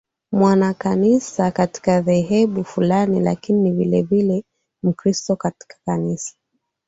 mwanakanisa katika dhehebu fulani lakini ni vilevile Mkristo katika Kanisa